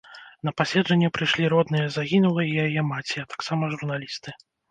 На паседжанне прыйшлі родныя загінулай і яе маці, а таксама журналісты.